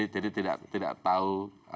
jadi tidak tahu